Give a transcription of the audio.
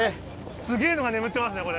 すげぇのが眠ってますねこれ。